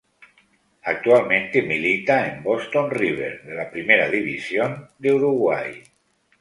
Actualmente milita en Boston River de la Primera División de Uruguay.